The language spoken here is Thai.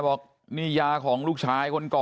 มาไปพี่น้องนะคะเลยครับ